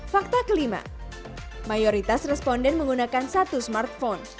fakta kelima mayoritas responden menggunakan satu smartphone